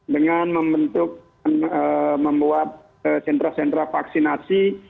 dengan membentuk membuat sentra sentra vaksinasi